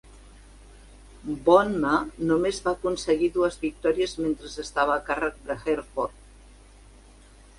Bohme només va aconseguir dues victòries mentre estava a càrrec de Herford.